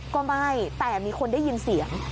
ก็ไม่แต่มีคนได้ยินเสียง